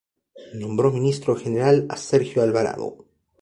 Nombró ministro general a Sergio Alvarado.